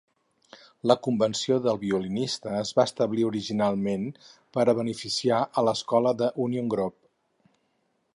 La Convenció del violinista es va establir originalment per a beneficiar a l'escola de Union Grove.